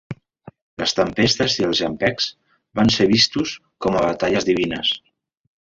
Les tempestes i els llampecs van ser vistos com a batalles divines.